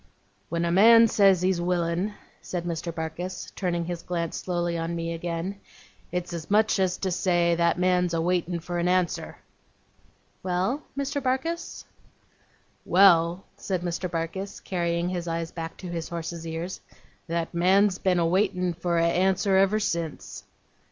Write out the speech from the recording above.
'When a man says he's willin',' said Mr. Barkis, turning his glance slowly on me again, 'it's as much as to say, that man's a waitin' for a answer.' 'Well, Mr. Barkis?' 'Well,' said Mr. Barkis, carrying his eyes back to his horse's ears; 'that man's been a waitin' for a answer ever since.